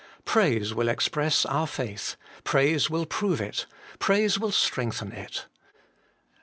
Praise will express our faith ; praise will prove it; praise will strengthen it.